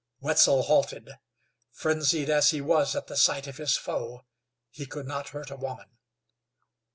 Wetzel halted; frenzied as he was at the sight of his foe, he could not hurt a woman.